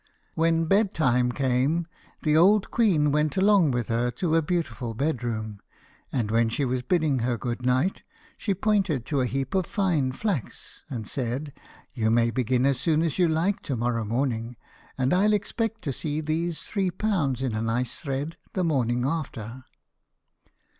When bed time came, the old queen went along with her to a beautiful bedroom, and when she was bidding her good night, she pointed to a heap of fine flax, and said, "You may begin as soon as you like to morrow morning, and I'll expect to see these three pounds in nice thread the morning after."